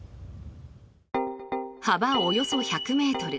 幅およそ１００ｍ